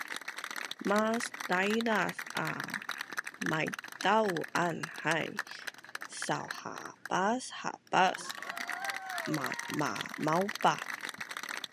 mas daidaz a maitau an hai sauhabashabas malmamaupa